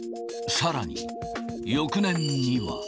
さらに、翌年には。